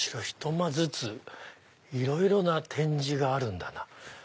ひと間ずついろいろな展示があるんだな。